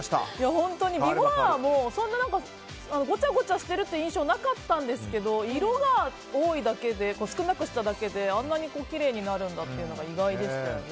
本当にビフォアもそんなにごちゃごちゃしてる印象はなかったんですけど色を少なくしただけできれいになるんだっていうのが意外でしたよね。